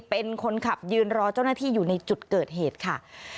เป็นคนขับยืนรอเจ้าหน้าที่อยู่ในจุดเกิดเหตุค่ะ